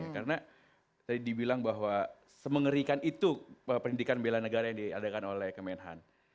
karena tadi dibilang bahwa semengerikan itu pendidikan bela negara yang diadakan oleh kemenhan